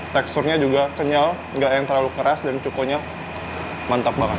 teksturnya juga kenyal nggak yang terlalu keras dan cukonya mantap banget